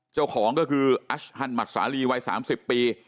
เจ้าของก็คืออัชฮันมักสาลีวัย๓๐ปี